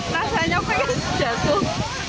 rasanya opekan jatuh